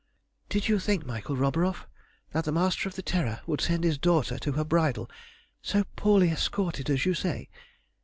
"Did you think, Michael Roburoff, that the Master of the Terror would send his daughter to her bridal so poorly escorted as you say?